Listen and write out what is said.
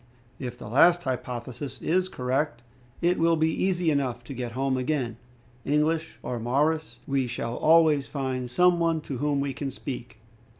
If the last hypothesis is correct, it will be easy enough to get home again. English or Maoris, we shall always find some one to whom we can speak.